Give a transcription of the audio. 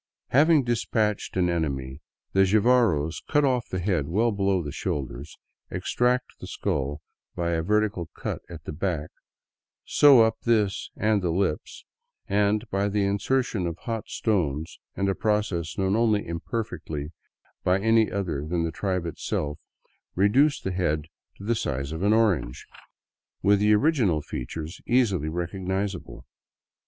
Having despatched an enemy, the Jivaros cut ofif the head well down on the shoulders, extract the skull by a vertical cut at the back, sew up this and the lips, and, by the insertion of hot stones and a process only imperfectly understood by any other than the tribe itself, reduce the head to the size of an orange, with the original 195 VAGABONDING DOWN THE ANDES features easily recognizable.